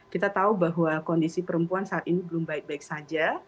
kita tahu bahwa kondisi perempuan saat ini belum baik baik saja